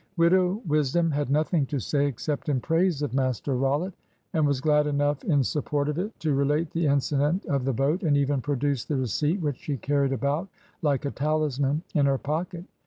Widow Wisdom had nothing to say except in praise of Master Rollitt, and was glad enough in support of it to relate the incident of the boat, and even produce the receipt, which she carried about like a talisman in her pocket.